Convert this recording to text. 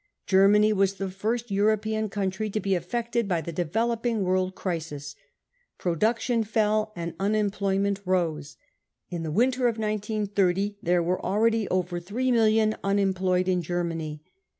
Germany was the first European country to be affected by the developing world crisis. Production fell, and unemployment rose. In the winter of 1930 there were already over three million unemployed in Germany.